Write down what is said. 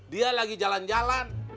dia lagi jalan jalan